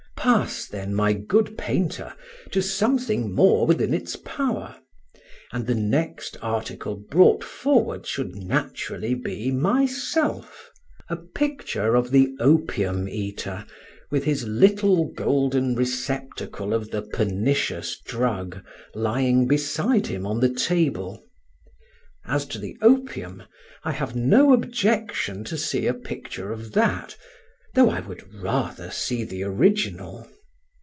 Pass then, my good painter, to something more within its power; and the next article brought forward should naturally be myself—a picture of the Opium eater, with his "little golden receptacle of the pernicious drug" lying beside him on the table. As to the opium, I have no objection to see a picture of that, though I would rather see the original.